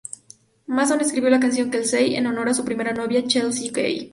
Mason escribió la canción ""Kelsey"" en honor a su primera novia, Chelsea Kay.